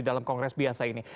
dalam kongres biasa ini